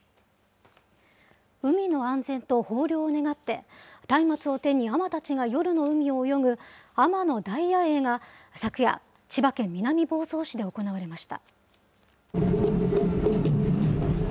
海の安全と豊漁を願って、たいまつを手に海女たちが夜の海を泳ぐ海女の大夜泳が昨夜、千葉県南房総市で行われました。